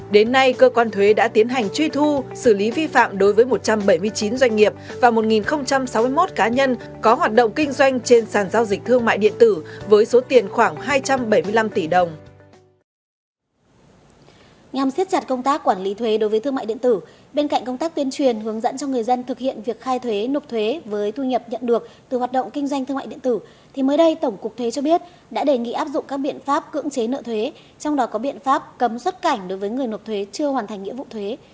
đến nay cơ quan thuế đã tiến hành truy thu xử lý vi phạm đối với một trăm bảy mươi chín doanh nghiệp và một sáu mươi một cá nhân có hoạt động kinh doanh trên sàn giao dịch thương mại điện tử